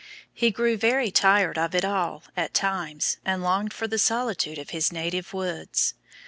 He grew very tired of it all at times, and longed for the solitude of his native woods.